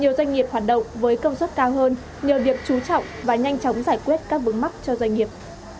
nhiều doanh nghiệp hoạt động với công suất cao hơn nhờ việc chú trọng và nhanh chóng giải quyết các vướng mắc cho doanh nghiệp